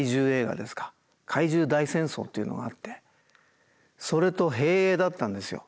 「怪獣大戦争」っていうのがあってそれと併映だったんですよ